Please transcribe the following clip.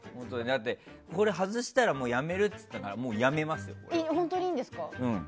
だって、これ外したらもうやめるって言ってたから本当にいいんですか。